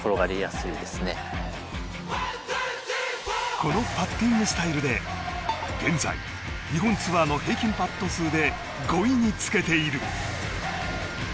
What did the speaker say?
このパッティングスタイルで現在、日本ツアーの平均パット数で５位につけている。